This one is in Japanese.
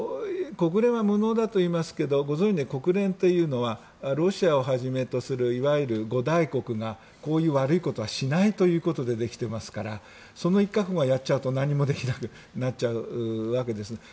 国連は無能だといいますけど国連というのはロシアをはじめとするいわゆる５大国が悪いことをしないということでできていますからその一角がやっちゃうと何もできなくなっちゃうわけです。